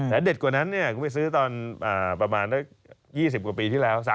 แต่เด็ดกว่านั้นคุณไปซื้อตอนประมาณสัก๒๐กว่าปีที่แล้ว